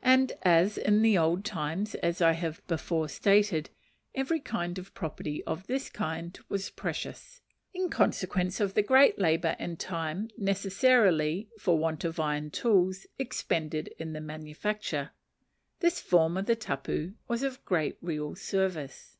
And as in the old times, as I have before stated, every kind of property of this kind was precious, in consequence of the great labour and time necessarily, for want of iron tools, expended in the manufacture, this form of the tapu was of great real service.